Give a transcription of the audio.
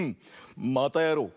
またやろう！